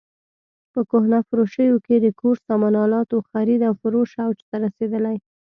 په کهنه فروشیو کې د کور سامان الاتو خرید او فروش اوج ته رسېدلی.